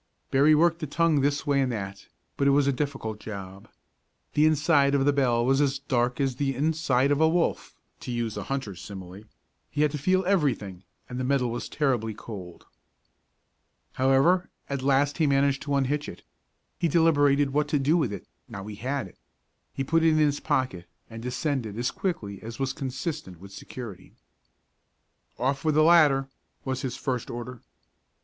Berry worked the tongue this way and that, but it was a difficult job. The inside of the bell was as dark as the inside of a wolf, to use a hunter's simile; he had to feel everything, and the metal was terribly cold. However, at last he managed to unhitch it. He deliberated what to do with it, now he had it. He put it in his pocket, and descended as quickly as was consistent with security. "Off with the ladder," was his first order.